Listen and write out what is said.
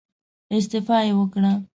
استعفا يې وکړه.